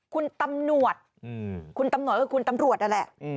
คุณตำรวจคุณตำรวจก็คุณตำรวจนั่นแหละ